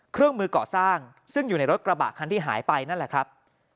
เครื่องมือก่อสร้างซึ่งอยู่ในรถกระบะคันที่หายไปนั่นแหละครับ